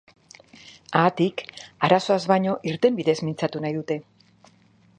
Haatik, arazoaz baino, irtenbideez mintzatu nahi dute.